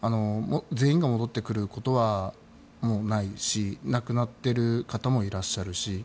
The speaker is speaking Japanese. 全員が戻ってくることはもうないし亡くなっている方もいらっしゃるし。